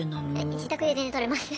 自宅で全然撮れます。